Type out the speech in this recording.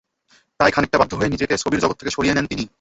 তাই খানিকটা বাধ্য হয়েই নিজেকে ছবির জগৎ থেকে সরিয়ে নেন তিনি।